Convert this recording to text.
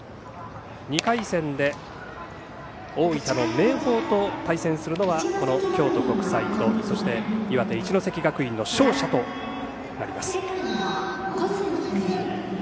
２回戦で大分の明豊と対戦するのは京都国際とそして岩手・一関学院の勝者となります。